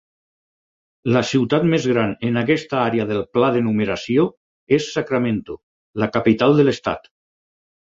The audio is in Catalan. La ciutat més gran en aquesta àrea del pla de numeració és Sacramento, la capital de l'estat.